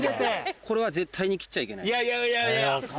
これは絶対に切っちゃいけないです。